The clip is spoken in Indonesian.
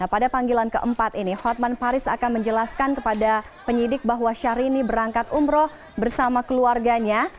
pada panggilan keempat ini hotman paris akan menjelaskan kepada penyidik bahwa syahrini berangkat umroh bersama keluarganya